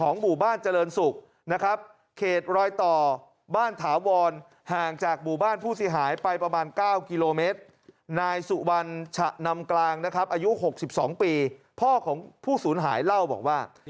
นำกลางนะครับอายุ๖๒ปีพ่อของผู้ศูนย์หายเล่าบอกว่า